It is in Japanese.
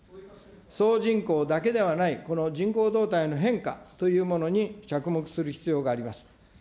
総人口だけではないこの人口動態の変化というものに着目する必要があります。